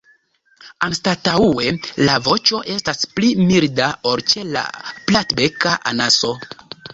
Anstataŭe la voĉo estas pli milda ol ĉe la Platbeka anaso.